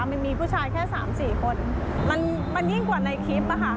มันมีผู้ชายแค่๓๔คนมันยิ่งกว่าในคลิปอะค่ะ